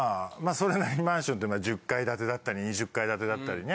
それなりにマンションって１０階建てだったり２０階建てだったりね